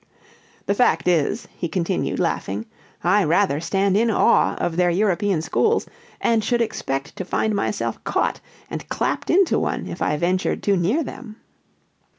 "The fact is," he continued, laughing, "I rather stand in awe of their European schools, and should expect to find myself caught and clapped into one if I ventured too near them."